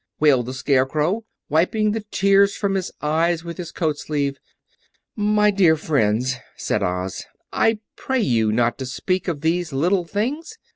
wailed the Scarecrow, wiping the tears from his eyes with his coat sleeve. "My dear friends," said Oz, "I pray you not to speak of these little things.